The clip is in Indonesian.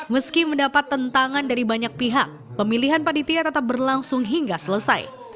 meski mendapat tentangan dari banyak pihak pemilihan panitia tetap berlangsung hingga selesai